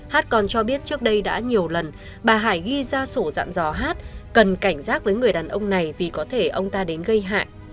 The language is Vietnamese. hát còn cho biết trước đây đã nhiều lần bà hải ghi ra sổ dạng dò hát cần cảnh giác với người đàn ông này vì có thể ông ta đến gây hại